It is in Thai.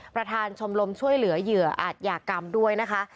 ประธานชมรมช่วยเหลือเหยื่ออาจยากรรมด้วยนะคะ